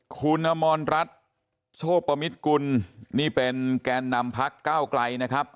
คุณธรรมรัฐโชว์ประมิตรกุลนี่เป็นแกนนำพักก้าวกลัยนะครับ